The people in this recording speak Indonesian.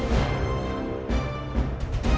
saya sudah berhenti